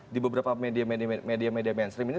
di beberapa media media mainstream ini